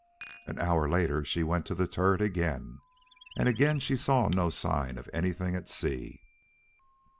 An hour later she went to the turret again, and again she saw no sign of anything at sea.